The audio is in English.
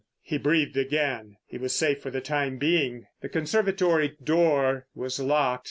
He breathed again. He was safe for the time being. The conservatory door was locked.